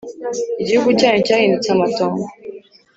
Igihugu cyanyu cyahindutse amatongo,